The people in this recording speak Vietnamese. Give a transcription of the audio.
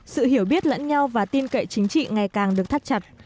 sự hiểu biết lẫn nhau và tin cậy chính trị ngày càng được thắt chặt